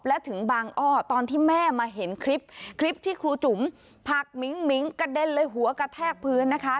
และถึงบางอ้อตอนที่แม่มาเห็นคลิปคลิปที่ครูจุ๋มผักมิ้งมิ้งกระเด็นเลยหัวกระแทกพื้นนะคะ